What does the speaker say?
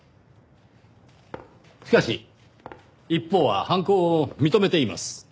しかし一方は犯行を認めています。